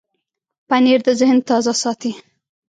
پنېر د ذهن تازه ساتي.